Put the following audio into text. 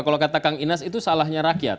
kalau kata kang inas itu salahnya rakyat